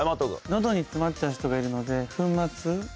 喉に詰まっちゃう人がいるので。